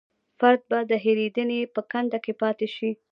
فرد به د هېرېدنې په کنده کې پاتې شي.